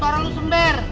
suara lo sember